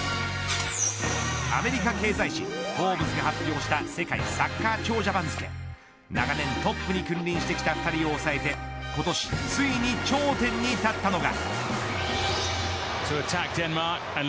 アメリカ経済誌フォーブスが発表した世界サッカー長者番付け長年トップに君臨してきた２人を抑えて今年ついに頂点に立ったのが。